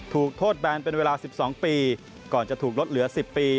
ถูกโทษแบนเป็นเวลา๑๒ปีก่อนจะถูกลดเหลือ๑๐ปี